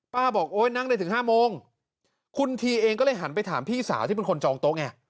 บอกโอ๊ยนั่งได้ถึง๕โมงคุณทีเองก็เลยหันไปถามพี่สาวที่เป็นคนจองโต๊ะไง